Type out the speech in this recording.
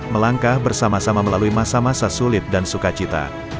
melangkah bersama sama melalui masa masa sulit dan sukacita